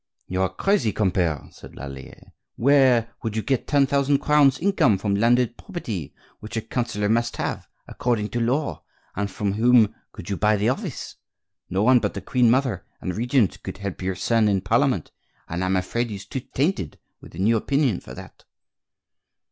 "You are crazy, compere," said Lallier. "Where would you get ten thousand crowns' income from landed property, which a counsellor must have, according to law; and from whom could you buy the office? No one but the queen mother and regent could help your son into Parliament, and I'm afraid he's too tainted with the new opinions for that."